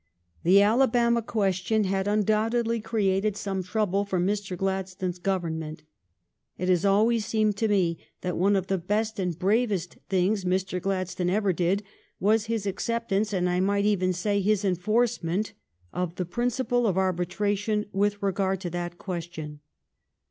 The Alabama question had undoubtedly cre ated some trouble for Mr. Gladstones Govern ment. It has always seemed to me that one of the best and bravest things Mr. Gladstone ever did was his acceptance, and I might even say his enforcement, of the principle of arbitration with regard to that question.